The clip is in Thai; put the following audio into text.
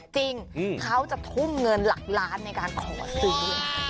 จริงเขาจะทุ่มเงินหลักล้านในการขอซื้อ